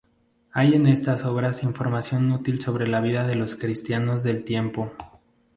Hay en estas obras información útil sobre la vida de los cristianos del tiempo.